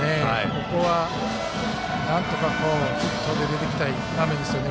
ここはなんとかヒットで、出てきたい場面ですね。